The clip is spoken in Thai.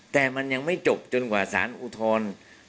แต่มันยังไม่จบจนกว่าสารอุทธรณ์